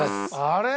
あれ？